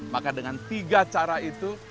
maka dengan tiga cara itu